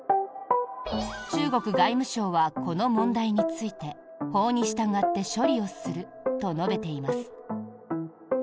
中国外務省はこの問題について法に従って処理をすると述べています。